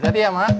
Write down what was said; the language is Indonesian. ada dia mak